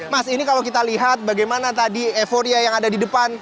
mas ini kalau kita lihat bagaimana tadi euforia yang ada di depan